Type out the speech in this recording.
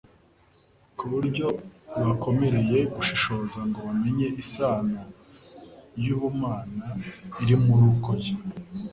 ku buryo bibakomereye gushishoza ngo bamenye isano y'ubumana iri mu ruko ye.